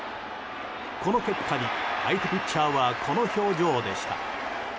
この結果に相手ピッチャーはこの表情でした。